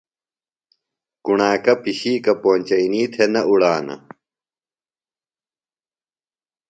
کُݨاکہ پِشیکہ پونچئینی تھےۡ نہ اُڑانوۡ۔